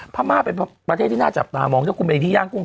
ภามากเป็นประเทศที่น่าจับหนามองท่องเก่งดูกลุ่มเอนที่ย่างกุ้ง